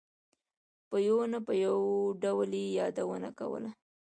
په یوه نه یو ډول یې یادونه کوله.